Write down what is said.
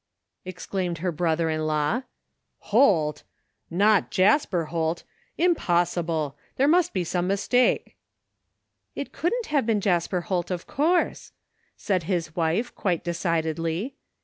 exclaimed her brother in law. "HoU! 101 THE FINDING OF JASPER HOLT Not Jasper Holt ! Impossible ! There must be some mistake." " It couldn't have been Jasper Holt, of course," said his wife quite decidedly.